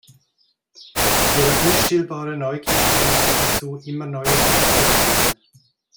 Ihre unstillbare Neugier bringt sie dazu, immer neue Dinge zu lernen.